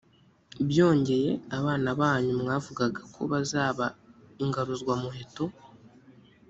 byongeye, abana banyu mwavugaga ko bazaba ingaruzwamuheto